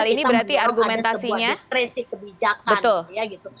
sehingga kita mengeluh ada sebuah diskresi kebijakan